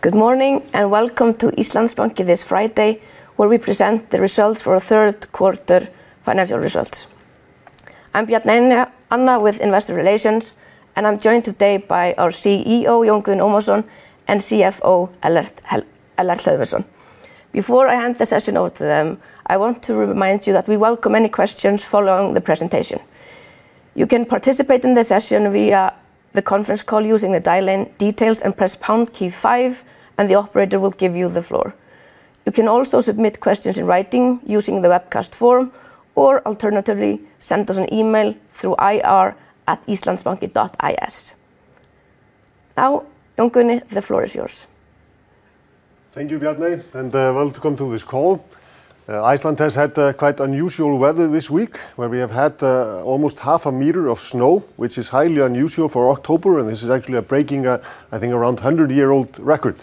Good morning and welcome to Íslandsbanki this Friday, where we present the results for the third quarter financial results. I'm Bjarney Anna Bjarnadottir with Investor Relations, and I'm joined today by our CEO, Jón Guðni Ómarsson, and CFO, Ellert Hlöðversson. Before I hand the session over to them, I want to remind you that we welcome any questions following the presentation. You can participate in the session via the conference call using the dial-in details and press pound key five, and the operator will give you the floor. You can also submit questions in writing using the webcast form, or alternatively send us an email through ir@islandsbanki.is. Now, Jón Guðni, the floor is yours. Thank you, Bjarney, and welcome to this call. Iceland has had quite unusual weather this week, where we have had almost half a meter of snow, which is highly unusual for October, and this is actually a breaking, I think, around 100-year-old record.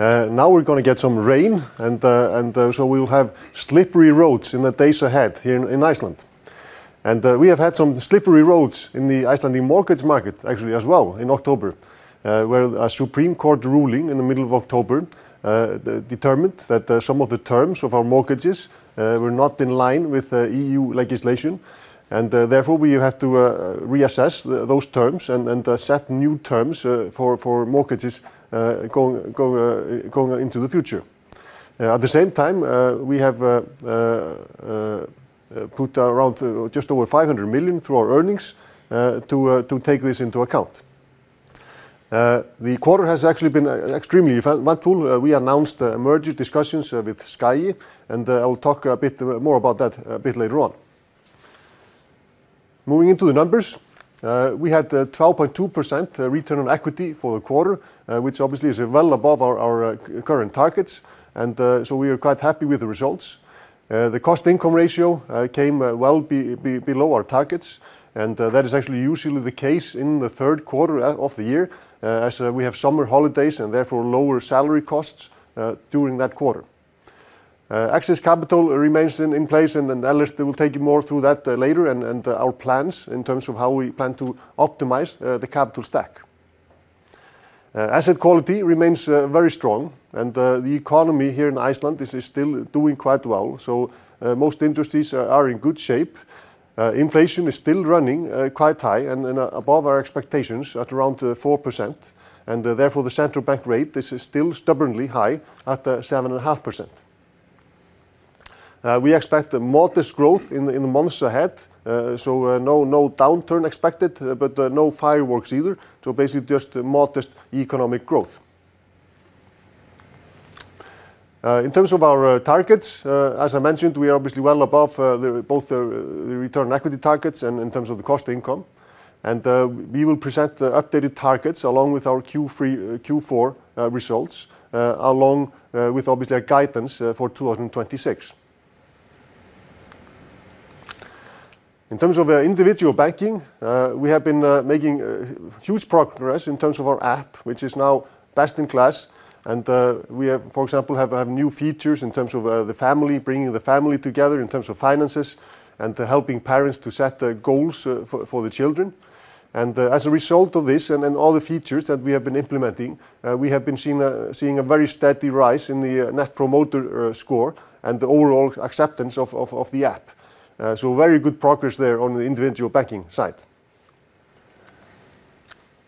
Now we're going to get some rain, and we will have slippery roads in the days ahead here in Iceland. We have had some slippery roads in the Icelandic mortgage market, actually, as well in October, where a Supreme Court ruling in the middle of October determined that some of the terms of our mortgages were not in line with EU legislation, and therefore we have to reassess those terms and set new terms for mortgages going into the future. At the same time, we have put around just over 500 million through our earnings to take this into account. The quarter has actually been extremely eventful. We announced emerging discussions with Ský, and I will talk a bit more about that a bit later on. Moving into the numbers, we had a 12.2% return on equity for the quarter, which obviously is well above our current targets, and we are quite happy with the results. The cost-to-income ratio came well below our targets, and that is actually usually the case in the third quarter of the year, as we have summer holidays and therefore lower salary costs during that quarter. Excess capital remains in place, and Ellert will take you more through that later and our plans in terms of how we plan to optimize the capital stack. Asset quality remains very strong, and the economy here in Iceland is still doing quite well, so most industries are in good shape. Inflation is still running quite high and above our expectations at around 4%, and therefore the central bank rate is still stubbornly high at 7.5%. We expect modest growth in the months ahead, no downturn expected, but no fireworks either, basically just modest economic growth. In terms of our targets, as I mentioned, we are obviously well above both the return on equity targets and in terms of the cost-to-income, and we will present updated targets along with our Q4 results, along with obviously a guidance for 2026. In terms of individual banking, we have been making huge progress in terms of our app, which is now best in class, and we have, for example, new features in terms of the family, bringing the family together in terms of finances and helping parents to set the goals for the children. As a result of this and all the features that we have been implementing, we have been seeing a very steady rise in the net promoter score and the overall acceptance of the app. Very good progress there on the individual banking side.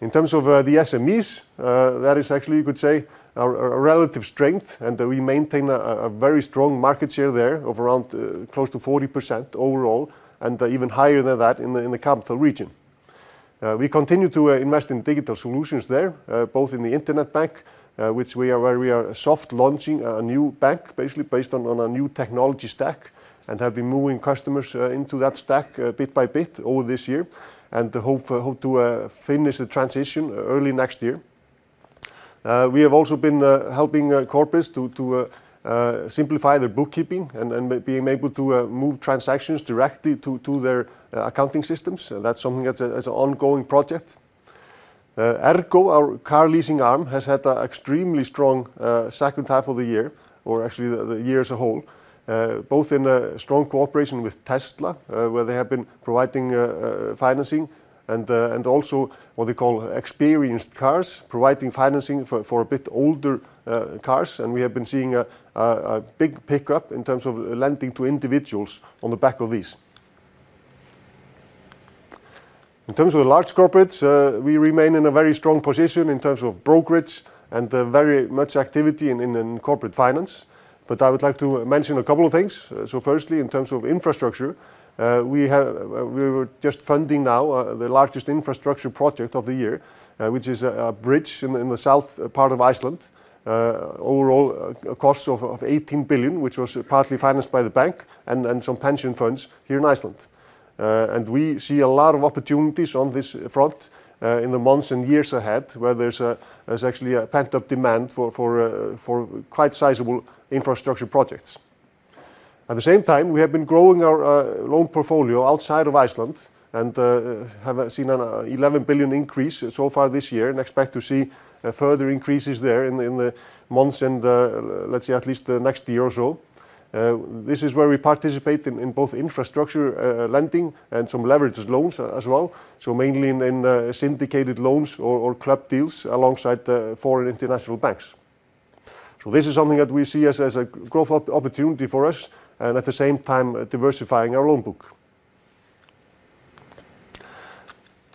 In terms of the SMEs, that is actually, you could say, a relative strength, and we maintain a very strong market share there of around close to 40% overall and even higher than that in the capital region. We continue to invest in digital solutions there, both in the internet bank, where we are soft launching a new bank, basically based on a new technology stack, and have been moving customers into that stack bit by bit over this year and hope to finish the transition early next year. We have also been helping corporates to simplify their bookkeeping and being able to move transactions directly to their accounting systems. That's something that's an ongoing project. Ergo, our car leasing arm, has had an extremely strong second half of the year, or actually the year as a whole, both in strong cooperation with Tesla, where they have been providing financing, and also what they call experienced cars, providing financing for a bit older cars, and we have been seeing a big pickup in terms of lending to individuals on the back of these. In terms of the large corporates, we remain in a very strong position in terms of brokerage and very much activity in corporate finance. I would like to mention a couple of things. Firstly, in terms of infrastructure, we are just funding now the largest infrastructure project of the year, which is a bridge in the south part of Iceland. Overall costs of 18 billion, which was partly financed by the bank and some pension funds here in Iceland. We see a lot of opportunities on this front in the months and years ahead, where there's actually pent-up demand for quite sizable infrastructure projects. At the same time, we have been growing our loan portfolio outside of Iceland and have seen an 11 billion increase so far this year, and expect to see further increases there in the months and let's say at least the next year or so. This is where we participate in both infrastructure lending and some leveraged loans as well, mainly in syndicated loans or club deals alongside foreign international banks. This is something that we see as a growth opportunity for us and at the same time diversifying our loan book.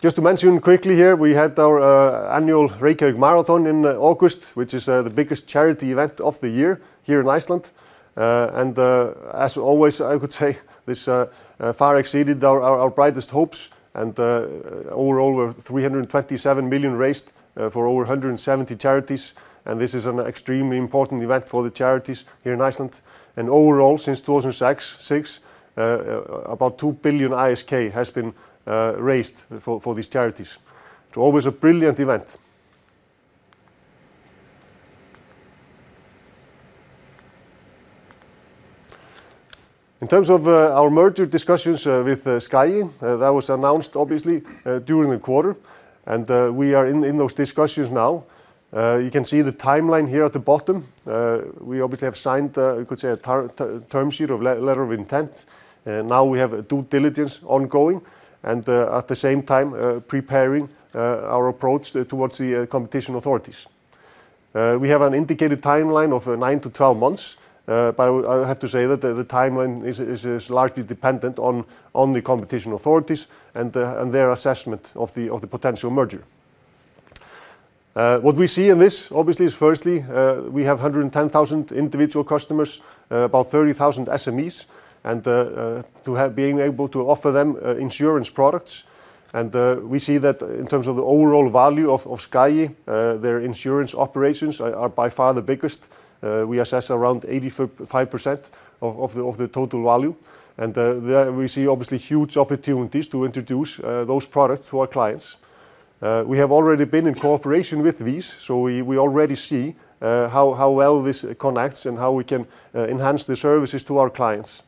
Just to mention quickly here, we had our annual Reykjavík Marathon in August, which is the biggest charity event of the year here in Iceland. I could say this far exceeded our brightest hopes. Overall, we have 327 million raised for over 170 charities, and this is an extremely important event for the charities here in Iceland. Overall, since 2006, about 2 billion ISK has been raised for these charities. It's always a brilliant event. In terms of our merger discussions with Ský, that was announced obviously during the quarter, and we are in those discussions now. You can see the timeline here at the bottom. We have signed, you could say, a term sheet or letter of intent. Now we have due diligence ongoing and at the same time preparing our approach towards the competition authorities. We have an indicated timeline of 9 to 12 months, but I have to say that the timeline is largely dependent on the competition authorities and their assessment of the potential merger. What we see in this is firstly, we have 110,000 individual customers, about 30,000 SMEs, and being able to offer them insurance products. We see that in terms of the overall value of Ský, their insurance operations are by far the biggest. We assess around 85% of the total value, and there we see huge opportunities to introduce those products to our clients. We have already been in cooperation with these, so we already see how well this connects and how we can enhance the services to our clients,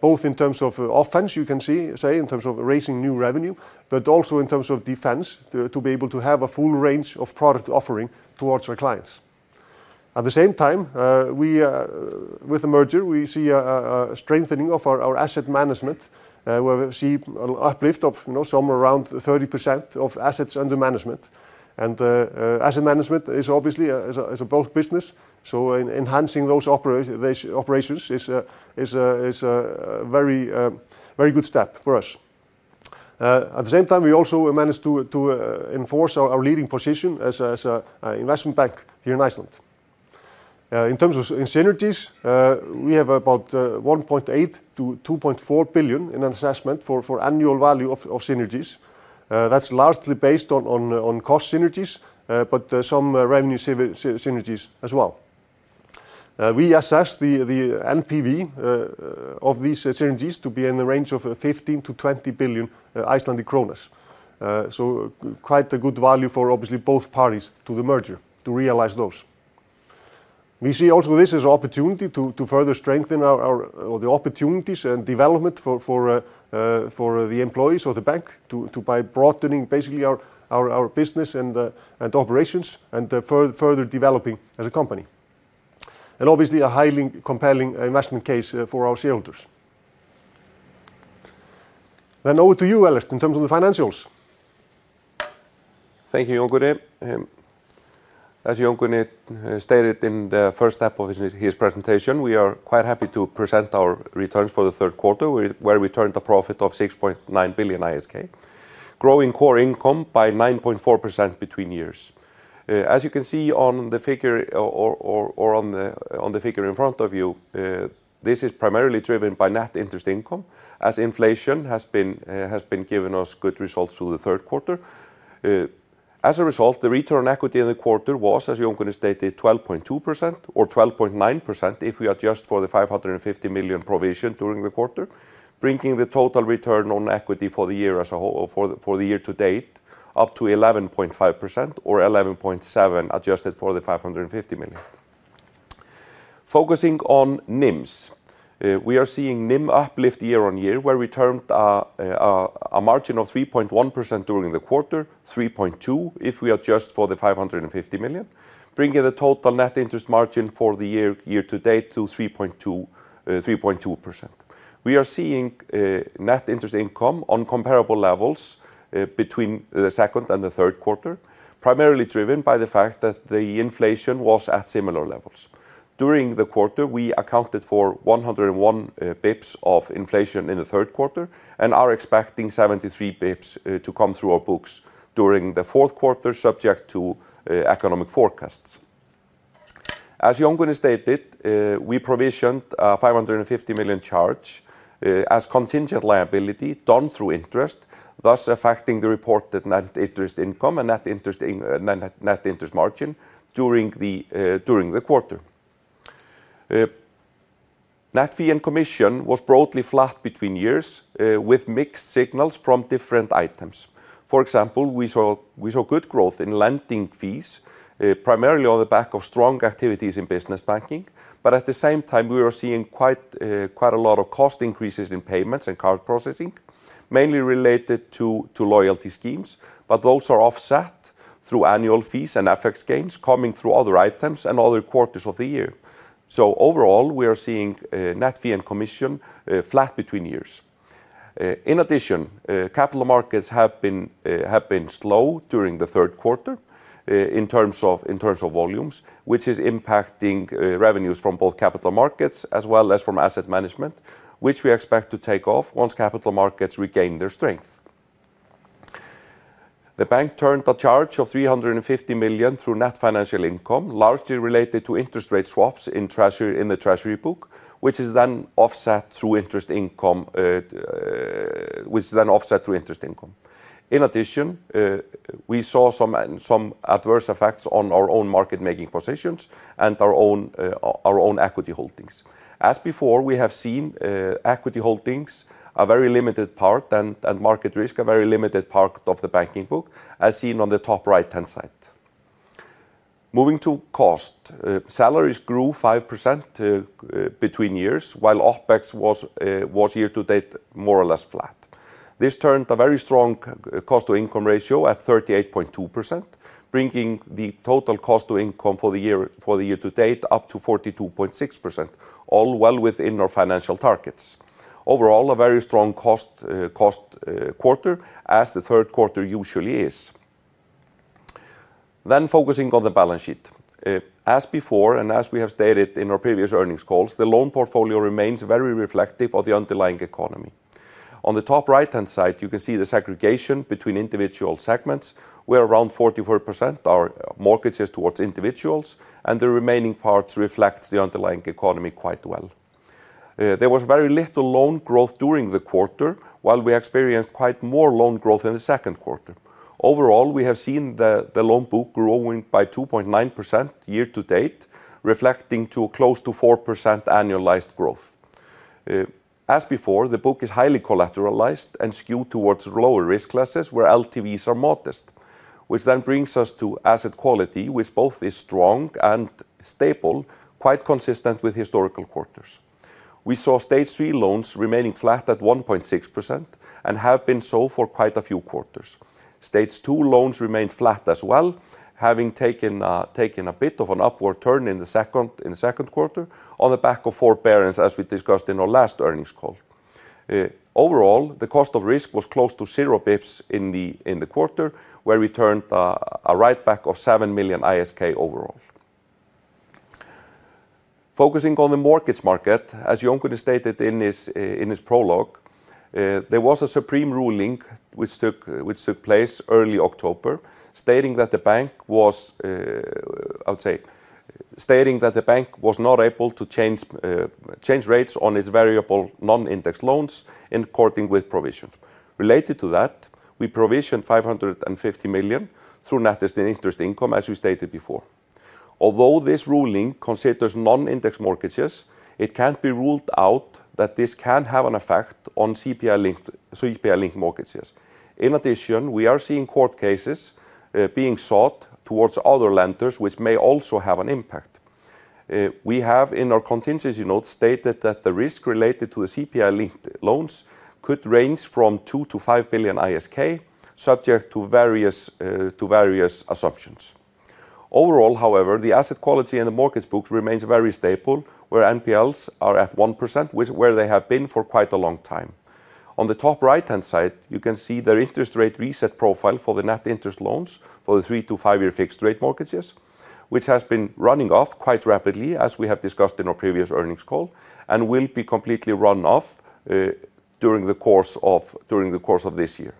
both in terms of offense, you can say, in terms of raising new revenue, but also in terms of defense to be able to have a full range of product offering towards our clients. At the same time, with the merger, we see a strengthening of our asset management. We see an uplift of somewhere around 30% of assets under management. Asset management is obviously a business, so enhancing those operations is a very good step for us. At the same time, we also managed to enforce our leading position as an investment bank here in Iceland. In terms of synergies, we have about 1.8-2.4 billion in an assessment for annual value of synergies. That's largely based on cost synergies, but some revenue synergies as well. We assess the NPV of these synergies to be in the range of 15-20 billion Icelandic kronur, so quite a good value for both parties to the merger to realize those. We see also this as an opportunity to further strengthen the opportunities and development for the employees of the bank by broadening basically our business and operations and further developing as a company. Obviously a highly compelling investment case for our shareholders. Over to you, Ellert, in terms of the financials. Thank you, Jón Guðni. As Jón Guðni stated in the first step of his presentation, we are quite happy to present our returns for the third quarter, where we turned a profit of 6.9 billion ISK, growing core income by 9.4% between years. As you can see on the figure in front of you, this is primarily driven by net interest income, as inflation has been giving us good results through the third quarter. As a result, the return on equity in the quarter was, as Jón Guðni stated, 12.2% or 12.9% if we adjust for the 550 million provision during the quarter, bringing the total return on equity for the year as a whole for the year to date up to 11.5% or 11.7% adjusted for the 550 million. Focusing on NIMs, we are seeing NIM uplift year on year, where we turned a margin of 3.1% during the quarter, 3.2% if we adjust for the 550 million, bringing the total net interest margin for the year to date to 3.2%. We are seeing net interest income on comparable levels between the second and the third quarter, primarily driven by the fact that the inflation was at similar levels. During the quarter, we accounted for 101 basis points of inflation in the third quarter and are expecting 73 basis points to come through our books during the fourth quarter, subject to economic forecasts. As Jón Guðni stated, we provisioned a 550 million charge as contingent liability done through interest, thus affecting the reported net interest income and net interest margin during the quarter. Net fee and commission was broadly flat between years with mixed signals from different items. For example, we saw good growth in lending fees, primarily on the back of strong activities in business banking, but at the same time, we were seeing quite a lot of cost increases in payments and card processing, mainly related to loyalty schemes, but those are offset through annual fees and FX gains coming through other items and other quarters of the year. Overall, we are seeing net fee and commission flat between years. In addition, capital markets have been slow during the third quarter in terms of volumes, which is impacting revenues from both capital markets as well as from asset management, which we expect to take off once capital markets regain their strength. The bank turned a charge of 350 million through net financial income, largely related to interest rate swaps in the treasury book, which is then offset through interest income. In addition. We saw some adverse effects on our own market-making positions and our own equity holdings. As before, we have seen equity holdings a very limited part and market risk, a very limited part of the banking book, as seen on the top right-hand side. Moving to cost, salaries grew 5% between years, while OpEx was year to date more or less flat. This turned a very strong cost-to-income ratio at 38.2%, bringing the total cost-to-income for the year to date up to 42.6%, all well within our financial targets. Overall, a very strong cost quarter, as the third quarter usually is. Focusing on the balance sheet, as before and as we have stated in our previous earnings calls, the loan portfolio remains very reflective of the underlying economy. On the top right-hand side, you can see the segregation between individual segments, where around 44% are mortgages towards individuals, and the remaining parts reflect the underlying economy quite well. There was very little loan growth during the quarter, while we experienced quite more loan growth in the second quarter. Overall, we have seen the loan book growing by 2.9% year to date, reflecting close to 4% annualized growth. As before, the book is highly collateralized and skewed towards lower risk classes, where LTVs are modest, which then brings us to asset quality, which both is strong and stable, quite consistent with historical quarters. We saw stage three loans remaining flat at 1.6% and have been so for quite a few quarters. Stage two loans remained flat as well, having taken a bit of an upward turn in the second quarter on the back of forbearance, as we discussed in our last earnings call. Overall, the cost of risk was close to zero basis points in the quarter, where we turned a write-back of 7 million ISK overall. Focusing on the mortgage market, as Jón Guðni Ómarsson stated in his prologue, there was a Supreme Court ruling which took place early October, stating that the bank was not able to change rates on its variable non-index loans in accordance with provision. Related to that, we provisioned 550 million through net interest income, as we stated before. Although this ruling considers non-index mortgages, it can't be ruled out that this can have an effect on CPI-linked mortgages. In addition, we are seeing court cases being sought towards other lenders, which may also have an impact. We have in our contingency notes stated that the risk related to the CPI-linked loans could range from 2 billion-5 billion ISK, subject to various assumptions. Overall, however, the asset quality in the mortgage books remains very stable, where NPLs are at 1%, where they have been for quite a long time. On the top right-hand side, you can see the interest rate reset profile for the net interest loans for the three to five-year fixed-rate mortgages, which has been running off quite rapidly, as we have discussed in our previous earnings call, and will be completely run off during the course of this year.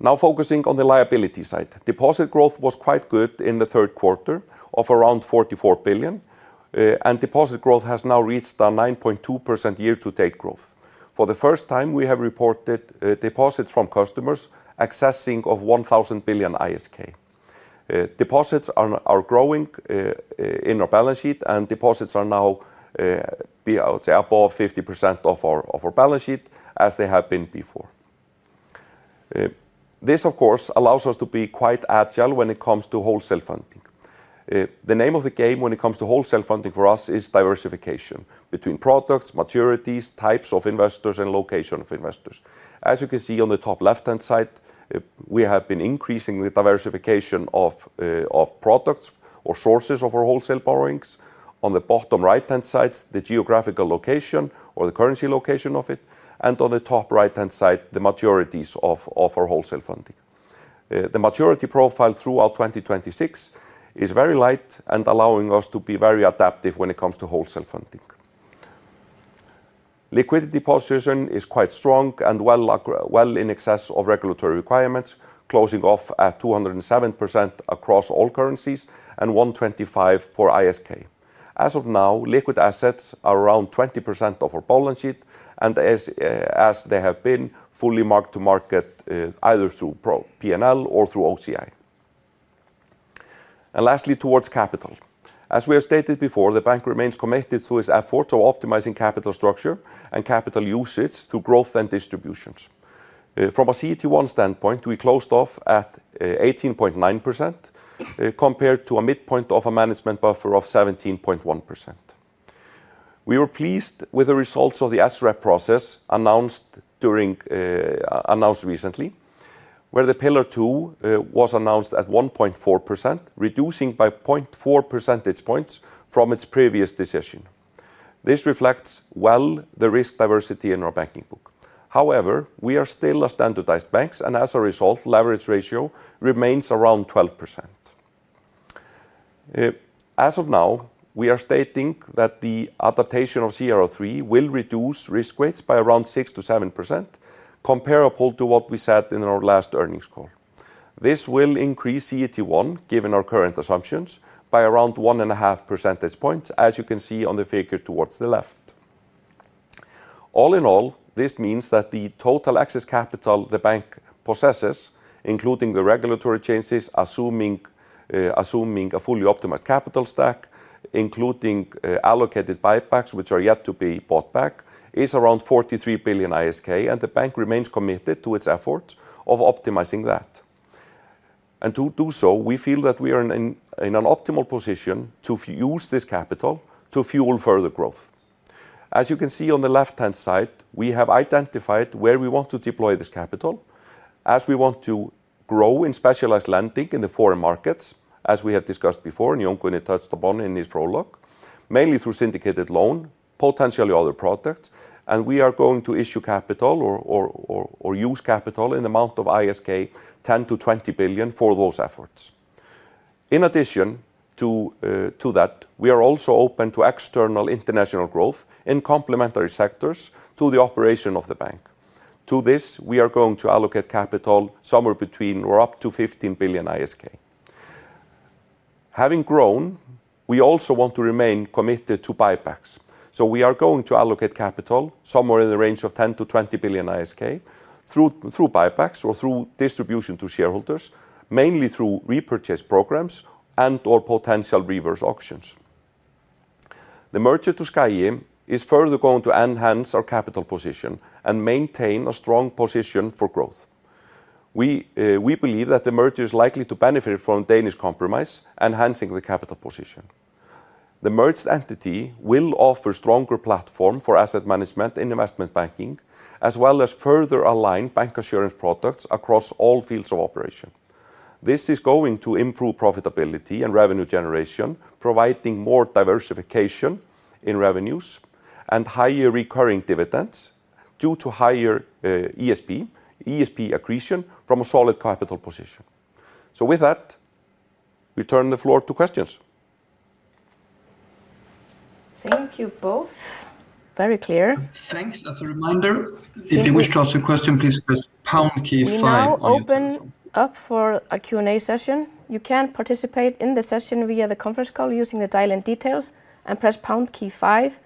Now focusing on the liability side, deposit growth was quite good in the third quarter of around 44 billion ISK, and deposit growth has now reached a 9.2% year to date growth. For the first time, we have reported deposits from customers exceeding 1,000 billion ISK. Deposits are growing in our balance sheet, and deposits are now, I would say, above 50% of our balance sheet as they have been before. This, of course, allows us to be quite agile when it comes to wholesale funding. The name of the game when it comes to wholesale funding for us is diversification between products, maturities, types of investors, and location of investors. As you can see on the top left-hand side, we have been increasing the diversification of products or sources of our wholesale borrowings. On the bottom right-hand side, the geographical location or the currency location of it, and on the top right-hand side, the maturities of our wholesale funding. The maturity profile throughout 2026 is very light and allowing us to be very adaptive when it comes to wholesale funding. Liquidity position is quite strong and well in excess of regulatory requirements, closing off at 207% across all currencies and 125% for ISK. As of now, liquid assets are around 20% of our balance sheet, and as they have been fully marked to market either through P&L or through OCI. Lastly, towards capital. As we have stated before, the bank remains committed to its efforts of optimizing capital structure and capital usage through growth and distributions. From a CET1 standpoint, we closed off at 18.9% compared to a midpoint of a management buffer of 17.1%. We were pleased with the results of the SREP process announced recently, where the pillar two was announced at 1.4%, reducing by 0.4 percentage points from its previous decision. This reflects well the risk diversity in our banking book. However, we are still a standardized bank, and as a result, leverage ratio remains around 12%. As of now, we are stating that the adaptation of CR03 will reduce risk rates by around 6% to 7%, comparable to what we said in our last earnings call. This will increase CET1, given our current assumptions, by around 1.5 percentage points, as you can see on the figure towards the left. All in all, this means that the total excess capital the bank possesses, including the regulatory changes, assuming a fully optimized capital stack, including allocated buybacks which are yet to be bought back, is around 43 billion ISK, and the bank remains committed to its efforts of optimizing that. To do so, we feel that we are in an optimal position to use this capital to fuel further growth. As you can see on the left-hand side, we have identified where we want to deploy this capital, as we want to grow in specialized lending in the foreign markets, as we have discussed before, and Jón Guðni Ómarsson touched upon in his prologue, mainly through syndicated loans, potentially other products, and we are going to issue capital or use capital in the amount of ISK 10 billion-20 billion for those efforts. In addition to that, we are also open to external international growth in complementary sectors to the operation of the bank. To this, we are going to allocate capital somewhere between or up to 15 billion ISK. Having grown, we also want to remain committed to buybacks. We are going to allocate capital somewhere in the range of 10 billion-20 billion ISK through buybacks or through distribution to shareholders, mainly through repurchase programs and/or potential reverse auctions. The merger to Ský is further going to enhance our capital position and maintain a strong position for growth. We believe that the merger is likely to benefit from Danish compromise, enhancing the capital position. The merged entity will offer a stronger platform for asset management in investment banking, as well as further align bancassurance products across all fields of operation. This is going to improve profitability and revenue generation, providing more diversification in revenues and higher recurring dividends due to higher EPS accretion from a solid capital position. With that, we turn the floor to questions. Thank you both. Very clear. Thanks. As a reminder, if you wish to ask a question, please press pound key five. I'll open up for a Q&A session. You can participate in the session via the conference call using the dial-in details and press pound key five,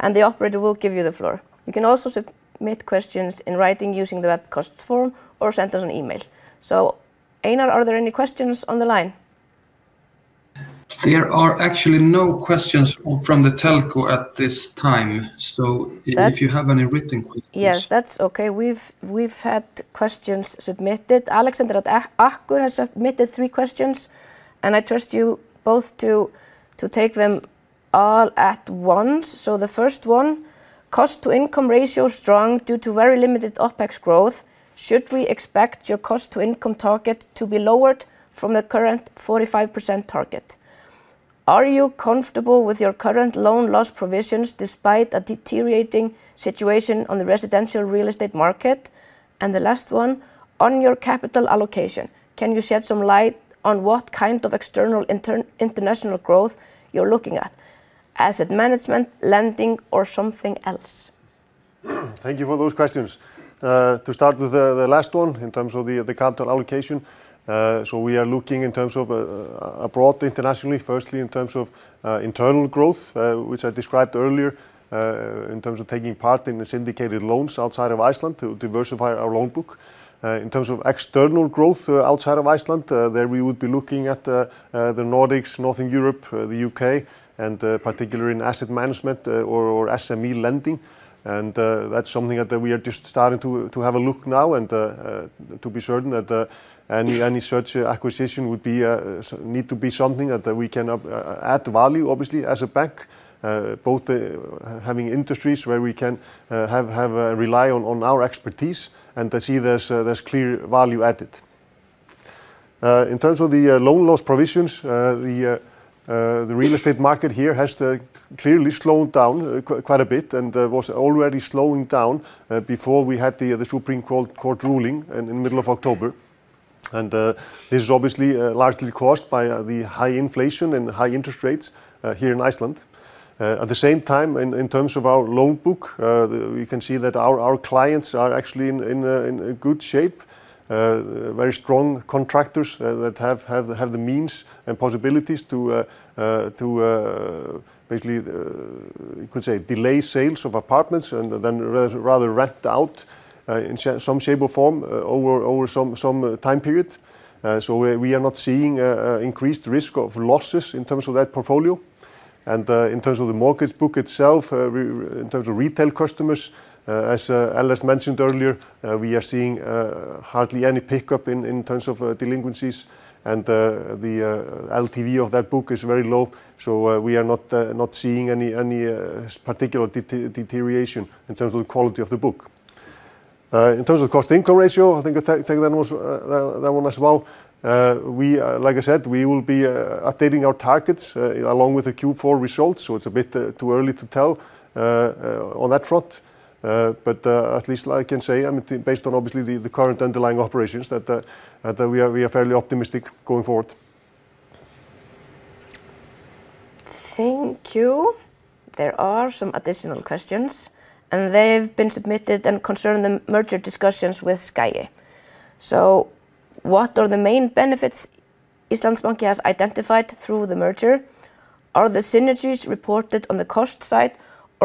and the operator will give you the floor. You can also submit questions in writing using the webcast form or send us an email. Einar, are there any questions on the line? There are actually no questions from the telco at this time. If you have any written questions, yes, that's okay. We've had questions submitted. Alexandr að Akkur has submitted three questions, and I trust you both to take them all at once. The first one, cost-to-income ratio is strong due to very limited OpEx growth. Should we expect your cost-to-income target to be lowered from the current 45% target? Are you comfortable with your current loan loss provisions despite a deteriorating situation on the residential real estate market? The last one, on your capital allocation, can you shed some light on what kind of external international growth you're looking at? Asset management, lending, or something else? Thank you for those questions. To start with the last one in terms of the capital allocation, we are looking in terms of abroad internationally, firstly in terms of internal growth, which I described earlier, in terms of taking part in syndicated loans outside of Iceland to diversify our loan book. In terms of external growth outside of Iceland, we would be looking at the Nordics, Northern Europe, the UK, and particularly in asset management or SME lending. That's something that we are just starting to have a look at now and to be certain that any such acquisition would need to be something that we can add value, obviously, as a bank, both having industries where we can have and rely on our expertise and see there's clear value added. In terms of the loan loss provisions, the real estate market here has clearly slowed down quite a bit and was already slowing down before we had the Supreme Court ruling in the middle of October. This is obviously largely caused by the high inflation and high interest rates here in Iceland. At the same time, in terms of our loan book, we can see that our clients are actually in good shape, very strong contractors that have the means and possibilities to basically, you could say, delay sales of apartments and then rather rent out in some shape or form over some time period. We are not seeing an increased risk of losses in terms of that portfolio. In terms of the mortgage book itself, in terms of retail customers, as Ellert mentioned earlier, we are seeing hardly any pickup in terms of delinquencies, and the loan-to-value ratio of that book is very low. We are not seeing any particular deterioration in terms of the quality of the book. In terms of cost-to-income ratio, I think I take that one as well. Like I said, we will be updating our targets along with the Q4 results, so it's a bit too early to tell on that front. At least I can say, based on obviously the current underlying operations, that we are fairly optimistic going forward. Thank you. There are some additional questions, and they've been submitted concerning the merger discussions with Ský. What are the main benefits Íslandsbanki has identified through the merger? Are the synergies reported on the cost side or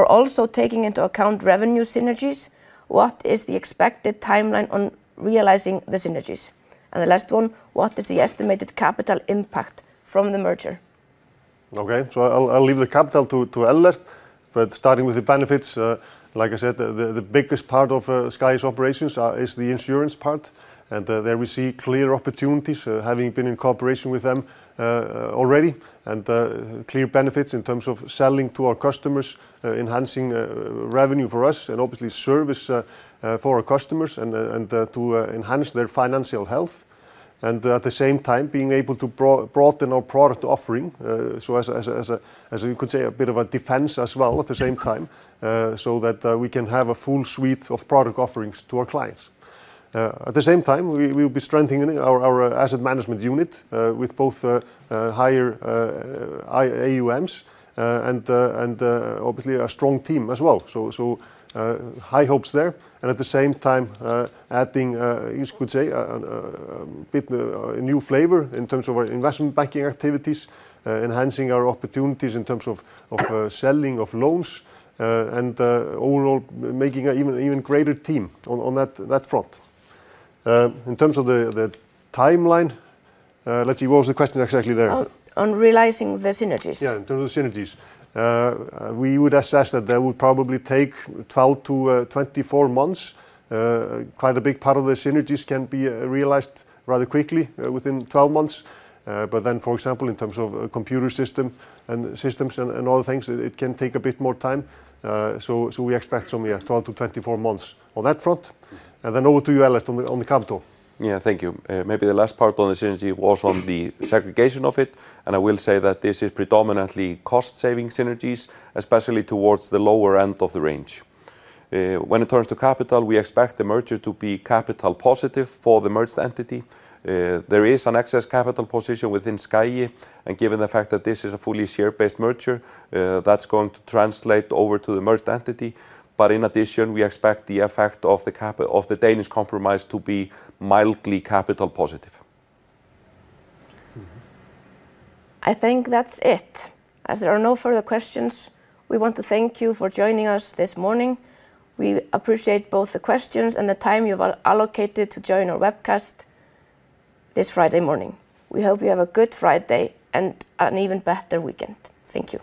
also taking into account revenue synergies? What is the expected timeline on realizing the synergies? The last one, what is the estimated capital impact from the merger? I'll leave the capital to Ellert, but starting with the benefits, like I said, the biggest part of Ský's operations is the insurance part, and there we see clear opportunities, having been in cooperation with them already, and clear benefits in terms of selling to our customers, enhancing revenue for us, and obviously service for our customers and to enhance their financial health. At the same time, being able to broaden our product offering, you could say, is a bit of a defense as well, so that we can have a full suite of product offerings to our clients. At the same time, we will be strengthening our asset management unit with both higher AUMs and obviously a strong team as well. High hopes there. At the same time, adding, you could say, a bit of a new flavor in terms of our investment banking activities, enhancing our opportunities in terms of selling of loans, and overall making an even greater team on that front. In terms of the timeline on realizing the synergies, we would assess that that would probably take 12 to 24 months. Quite a big part of the synergies can be realized rather quickly within 12 months, but then, for example, in terms of computer systems and other things, it can take a bit more time. We expect some 12 to 24 months on that front. Over to you, Ellert, on the capital. Yeah, thank you. Maybe the last part on the synergy was on the segregation of it, and I will say that this is predominantly cost-saving synergies, especially towards the lower end of the range. When it comes to capital, we expect the merger to be capital positive for the merged entity. There is an excess capital position within Ský, and given the fact that this is a fully share-based merger, that's going to translate over to the merged entity. In addition, we expect the effect of the Danish compromise to be mildly capital positive. I think that's it. As there are no further questions, we want to thank you for joining us this morning. We appreciate both the questions and the time you've allocated to join our webcast this Friday morning. We hope you have a good Friday and an even better weekend. Thank you.